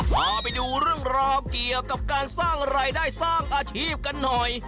พาไปดูเรื่องราวเกี่ยวกับการสร้างรายได้สร้างอาชีพกันหน่อย